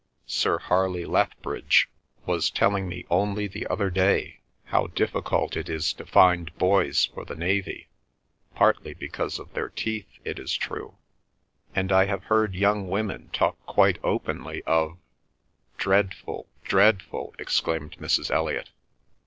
Sir Harley Lethbridge was telling me only the other day how difficult it is to find boys for the navy—partly because of their teeth, it is true. And I have heard young women talk quite openly of—" "Dreadful, dreadful!" exclaimed Mrs. Elliot.